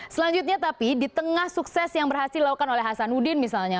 selanjutnya tapi di tengah sukses yang berhasil dilakukan oleh hasanuddin misalnya